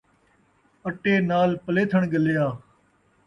اٹے نال پلیتھݨ ڳلیا